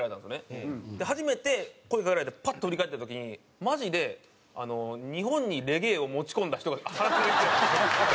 初めて声かけられてパッと振り返った時にマジで日本にレゲエを持ち込んだ人が話しかけてきた。